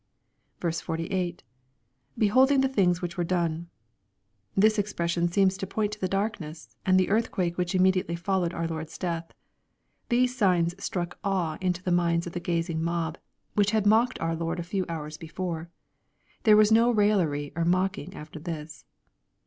48. — [Beholding the things which were done,] — This expression seems to point to the darkness, and the earthquake which immediately followed our Lord's death. These signs struck awe into the minds of the gazing mob, which had mocked our Lord a few hours before. There was no raillery or mocking after this.